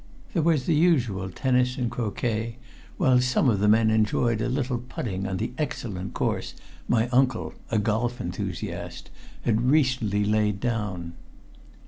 There was the usual tennis and croquet, while some of the men enjoyed a little putting on the excellent course my uncle, a golf enthusiast, had recently laid down.